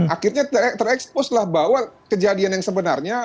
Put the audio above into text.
akhirnya tereksposlah bahwa kejadian yang sebenarnya